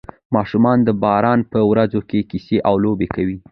ماشومان د باران په ورځو کې کیسې او لوبې کوي.